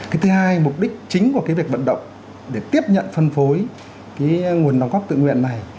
cái thứ hai mục đích chính của cái việc vận động để tiếp nhận phân phối cái nguồn đóng góp tự nguyện này